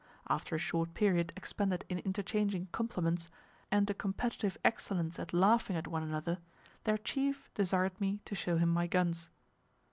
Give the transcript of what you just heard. After a short period expended in interchanging compliments, and a competitive excellence at laughing at one another, their chief desired me to show him my guns.